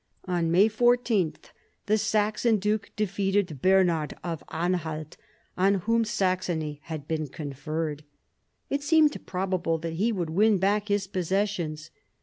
On May 14 the Saxon duke defeated Bernard of Anhalt, on whom Saxony had been conferred. It seemed probable that he would win back his possessions.